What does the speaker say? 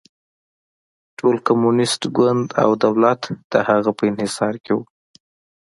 ټول کمونېست ګوند او دولت د هغه په انحصار کې و.